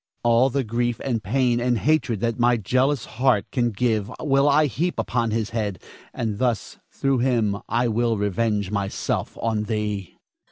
All the grief and pain and hatred that my jealous heart can give will I heap upon his head, and thus through him I will revenge myself on thee.